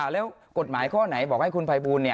แล้วกฎหมายข้อไหนบอกให้คุณภัยบูล